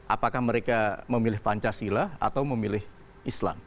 apakah mereka memilih pancasila atau memilih islam